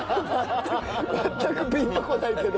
全くピンとこないけど。